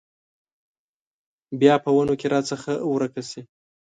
بیا په ونو کې راڅخه ورکه شي